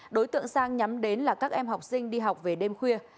đối tượng sang nhắm đến là các em học sinh đi học về đêm khuya